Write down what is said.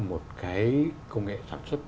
một cái công nghệ sản xuất